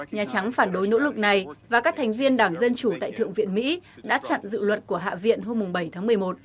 nhà trắng phản đối nỗ lực này và các thành viên đảng dân chủ tại thượng viện mỹ đã chặn dự luật của hạ viện hôm bảy tháng một mươi một